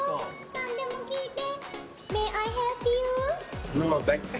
何でも聞いて。